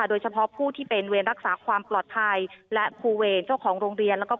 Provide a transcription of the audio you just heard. โดยเฉพาะผู้ที่เป็นเวรรักษาความปลอดภัย